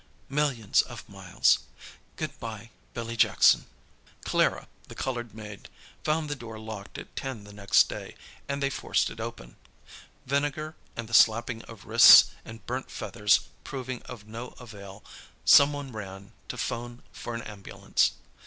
... Millions of miles ... Good bye, Billy Jackson." Clara, the coloured maid, found the door locked at 10 the next day, and they forced it open. Vinegar, and the slapping of wrists and burnt feathers proving of no avail, some one ran to 'phone for an ambulance.